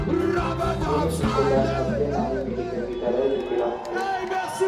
তিনি পিস্তোজার সবচেয়ে নামী মেডিকেল বিদ্যালয়ে বৃত্তি লাভ করেন।